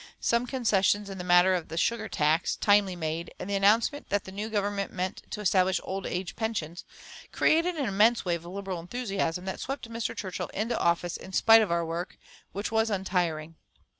Some concessions in the matter of the sugar tax, timely made, and the announcement that the new Government meant to establish old age pensions, created an immense wave of Liberal enthusiasm that swept Mr. Churchill into office in spite of our work, which was untiring.